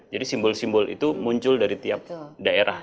jadi simbol simbol itu muncul dari tiap daerah